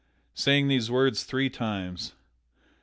Saying those words three times.